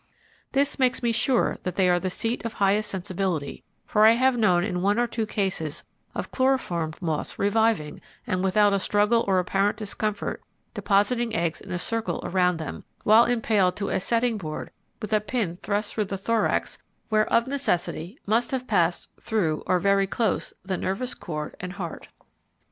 This makes me sure that they are the seat of highest sensibility, for I have known in one or two cases of chloroformed moths reviving and without struggle or apparent discomfort, depositing eggs in a circle around them, while impaled to a setting board with a pin thrust through the thorax where it of necessity must have passed through or very close the nervous cord and heart.